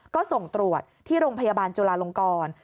ก็ส่งตรวจที่โรงพยาบาลจุลาลงกร